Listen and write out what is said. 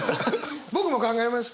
僕も考えました。